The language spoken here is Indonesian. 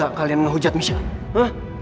gak kalian ngehujat michelle